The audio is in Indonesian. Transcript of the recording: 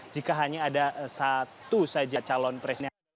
jika hanya ada satu saja calon presiden